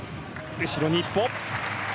後ろに１歩。